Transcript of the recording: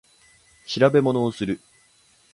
調べ物をする